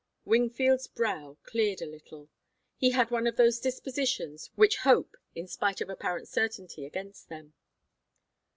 Wingfield's brow cleared a little. He had one of those dispositions which hope in spite of apparent certainty against them.